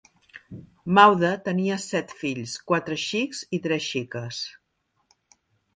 Maude tenia set fills, quatre xics i tres xiques.